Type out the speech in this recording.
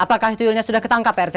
apakah itu sudah ketangkap rt